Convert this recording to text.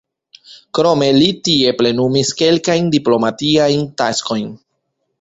Krome li tie plenumis kelkajn diplomatiajn taskojn.